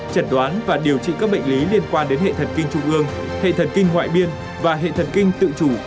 chẩn đoán và điều trị các bệnh lý liên quan đến hệ thần kinh trung ương hệ thần kinh ngoại biên và hệ thần kinh tự chủ